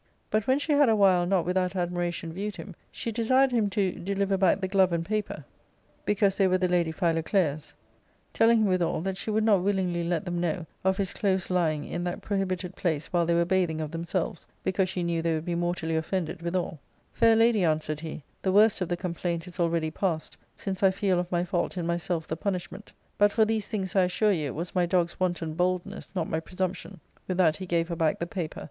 But when she had a while, not without admiration, viewed him, she desired him to de liver back the glove and paper, because they were the lady Philoclea's, telling him withal that she would not willingly let them know of his close lying in that prohibited place while th^y were bathing of themselves, because she knew they ivould be mortally offended withaL '•'ffair lady," answered he, " the worst of the complaint is alreUdy passed, since I feel of my fault in myself the punish ment. But for these things, I assure you, it was my dog's wanton boldness, not my presumption." With that he gave her back the paper.